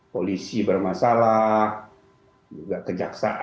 polisi bermasalah juga kejaksaan